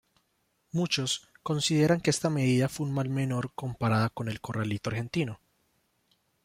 Muchos consideran que esta medida fue un mal menor, comparada con el "corralito" argentino.